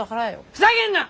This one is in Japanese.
ふざけんな！